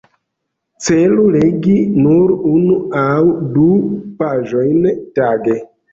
Celu legi nur unu aŭ du paĝojn tage.